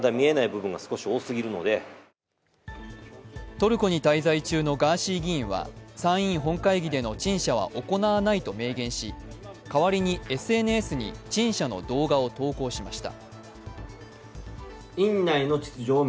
トルコに滞在中のガーシー議員は参院本会議での陳謝は行わないと明言し代わりにＳＮＳに陳謝の動画を投稿しました。